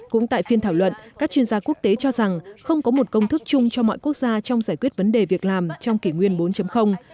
cũng tại phiên thảo luận các chuyên gia quốc tế cho rằng không có một công thức chung cho mọi quốc gia trong giải quyết vấn đề việc làm trong kỷ nguyên bốn